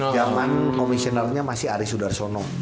jaman komisionernya masih arisudar sonong